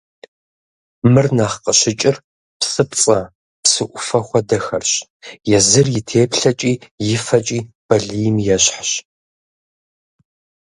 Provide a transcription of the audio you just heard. Мыр нэхъ къыщыкӏыр псыпцӏэ, псы ӏуфэ хуэдэхэрщ, езыр и теплъэкӏи и фэкӏи балийм ещхьщ.